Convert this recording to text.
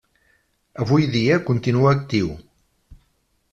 Avui dia continua actiu.